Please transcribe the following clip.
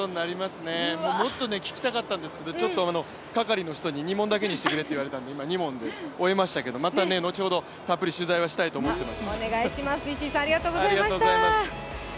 もっと聞きたかったんですけど、係の人に２問だけにしてくれって言われたんで２問で終えましたけどまた後ほどたっぷり取材はしたいと思ってます。